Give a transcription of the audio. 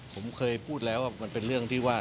ผมเคยพูดแล้วมันเป็นเรื่องที่ว่า